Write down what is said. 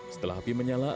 setelah api menyatukan